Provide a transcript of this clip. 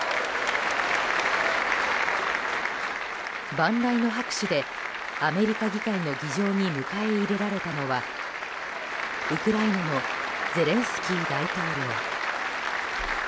万雷の拍手でアメリカ議会の議場に迎え入れられたのはウクライナのゼレンスキー大統領。